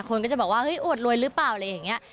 คนก็จะบอกว่าเฮ้ยอวดรวยหรือเปล่าอะไรอย่างนี้